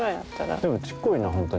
でもちっこいな本当に。